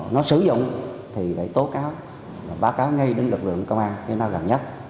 nó sử dụng thì phải tố cáo báo cáo ngay đến lực lượng công an khi nào gần nhất